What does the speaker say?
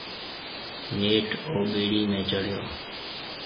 نيٺ او ٻيڙِي ۾ چڙھيَََو۔